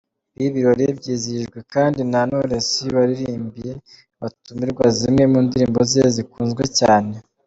Ibi birori byizihijwe kandi na Knowless waririmbiye abatumirwa zimwe mu ndirimbo ze zikunzwe cyane.